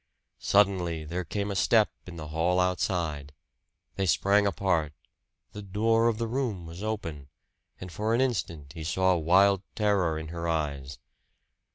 Suddenly there came a step in the hall outside. They sprang apart. The door of the room was open; and for an instant he saw wild terror in her eyes.